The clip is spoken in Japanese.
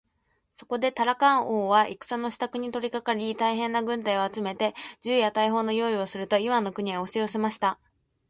そこでタラカン王は戦のしたくに取りかかり、大へんな軍隊を集めて、銃や大砲をよういすると、イワンの国へおしよせました。